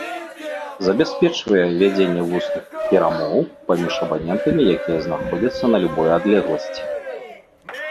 Забяспечвае вядзенне вусных перамоў паміж абанентамі, якія знаходзяцца на любой адлегласці.